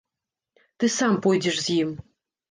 Ты сам пойдзеш з ім.